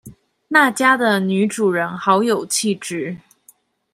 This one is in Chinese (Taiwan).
那家的女主人好有氣質